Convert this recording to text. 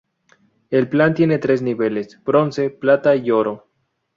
El plan tiene tres niveles: Bronce, Plata y Oro.